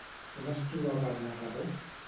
On es trobava el narrador?